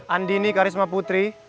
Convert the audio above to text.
andini karisma putri